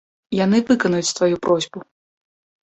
Яны выканаюць тваю просьбу.